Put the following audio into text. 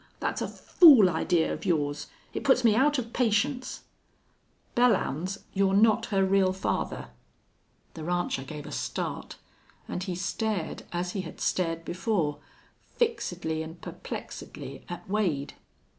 That's a fool idee of yours. It puts me out of patience." "Belllounds, you're not her real father." The rancher gave a start, and he stared as he had stared before, fixedly and perplexedly at Wade.